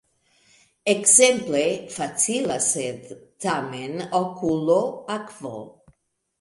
Ekzemple: "facila, sed, tamen, okulo, akvo".